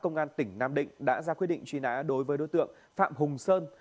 công an tỉnh nam định đã ra quyết định truy nã đối với đối tượng phạm hùng sơn